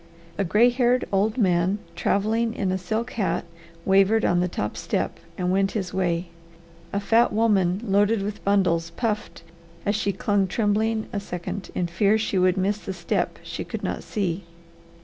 A gray haired old man, travelling in a silk hat, wavered on the top step and went his way. A fat woman loaded with bundles puffed as she clung trembling a second in fear she would miss the step she could not see.